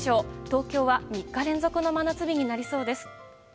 東京は３日連続の真夏日になりそうです。